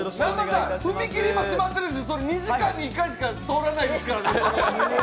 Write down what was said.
踏切も閉まってるし２時間に１回しか通らないですから。